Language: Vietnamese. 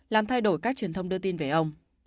làm thay đổi cách truyền thông đưa tin về ông